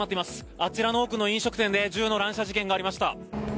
あちらの奥の飲食店で銃の乱射事件がありました。